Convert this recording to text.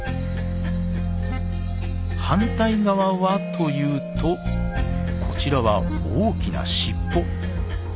反対側はというとこちらは大きな尻尾。